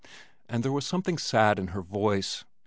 And there was something sad in her voice.